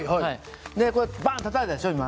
こうバンとたたいたでしょう今。